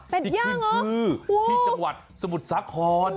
เป็ดย่างเหรอโอ้โหที่คือชื่อที่จังหวัดสมุทรสาคร